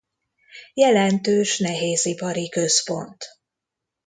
Jelentős nehézipari központ.